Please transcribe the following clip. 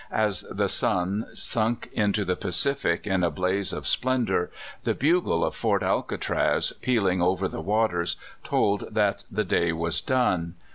As the sun sunk into the Pacific in a blaze of splendor, the bugle of Fort Alcatraz, pealing over the waters, told that the day was done.